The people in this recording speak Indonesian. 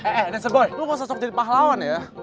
eh eh dinosaur boy lu kok cocok jadi pahlawan ya